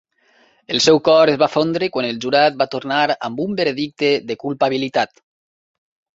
El seu cor es va fondre quan el jurat va tornar amb un veredicte de culpabilitat.